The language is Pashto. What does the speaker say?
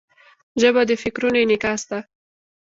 ژبه د فکرونو انعکاس ده.